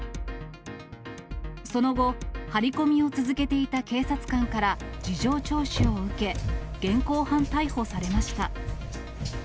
その後、張り込みを続けていた警察官から事情聴取を受け、現行犯逮捕されました。